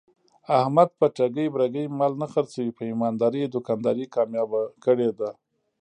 احمد په ټګۍ برگۍ مال نه خرڅوي. په ایماندارۍ یې دوکانداري کامیاب کړې ده.